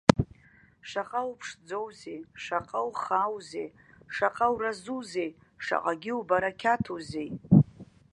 Шаҟа уԥшӡоузеи, шаҟа ухааузеи, шаҟа уразузеи, шаҟагьы убарақьаҭузеи!